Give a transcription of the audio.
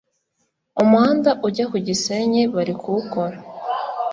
umuhanda ujya kugisenyi barikuwukora